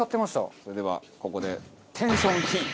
それではここでテンションヒント！